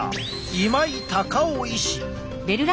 今井貴夫医師。